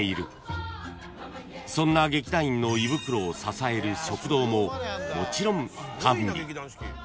［そんな劇団員の胃袋を支える食堂ももちろん完備］